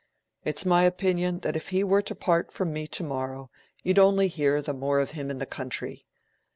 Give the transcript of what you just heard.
It's my opinion that if he were to part from me to morrow, you'd only hear the more of him in the country.